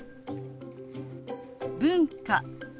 「文化」。